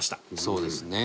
そうですね。